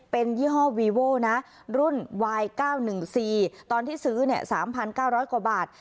เป็นยี่ห้อวีโวนะรุ่นวายเก้าหนึ่งซีตอนที่ซื้อเนี่ยสามพันเก้าร้อยกว่าบาท